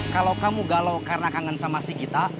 kalau kamu galau karena kangen sama si kita